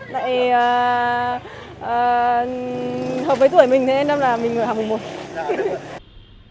lại hợp với tuổi mình thế nên là mình phải học mùng một